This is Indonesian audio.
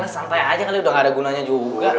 santai aja kali udah gak ada gunanya juga